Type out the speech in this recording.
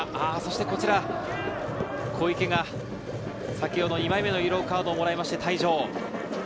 こちら小池が先ほどの２枚目のイエローカードをもらいまして退場。